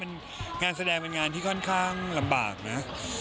งานแสดงค่อนข้างลำบากนะ